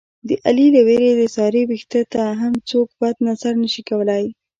د علي له وېرې د سارې وېښته ته هم څوک بد نظر نشي کولی.